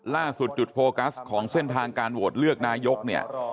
ล่าสุดจุดโฟกัสของเส้นทางการโหวตเลือกนายกเนี่ย